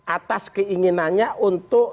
atas keinginannya untuk